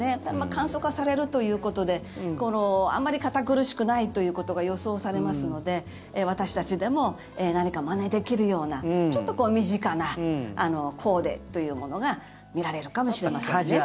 簡素化されるということであまり堅苦しくないということが予想されますので私たちでも何かまねできるようなちょっと身近なコーデというものが見られるかもしれませんね。